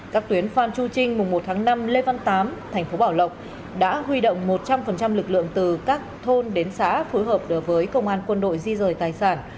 các tuyến phan chu trinh mùng một tháng năm lê văn tám thành phố bảo lộc đã huy động một trăm linh lực lượng từ các thôn đến xã phối hợp với công an quân đội di rời tài sản